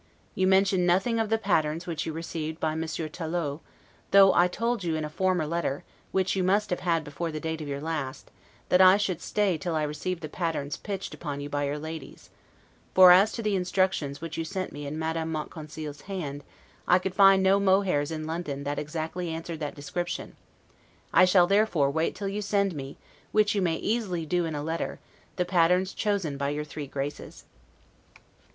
You mention nothing of the patterns which you received by Monsieur Tollot, though I told you in a former letter, which you must have had before the date of your last, that I should stay till I received the patterns pitched upon by your ladies; for as to the instructions which you sent me in Madame Monconseil's hand, I could find no mohairs in London that exactly answered that description; I shall, therefore, wait till you send me (which you may easily do in a letter) the patterns chosen by your three graces.